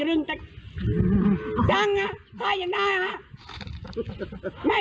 เอาไปก็ไปไปงั้นไป